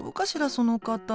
その方。